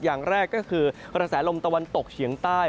อย่างแรกก็คือกระแสลมตะวันตกเฉียงใต้